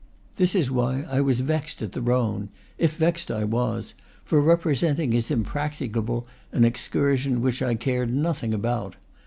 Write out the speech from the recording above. This why I was vexed at the Rhone if vexed I was for representing as impracticable an ex cursion which I cared nothing about.